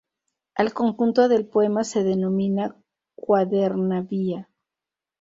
Al conjunto del poema se denomina cuaderna vía.